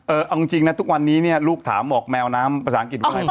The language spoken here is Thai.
เอาจริงนะทุกวันนี้เนี่ยลูกถามบอกแมวน้ำภาษาอังกฤษว่าอะไร